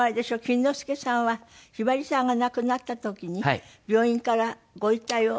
錦之介さんはひばりさんが亡くなった時に病院からご遺体を。